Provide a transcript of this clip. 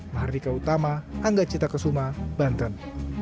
mahardika utama angga cita kesuma banten